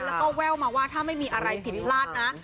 แล้วก็แววมาว่าถ้าไม่มีอะไรผิดพลาดนะ